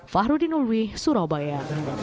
fahrudin ulwi surabaya